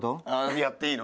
やっていいの？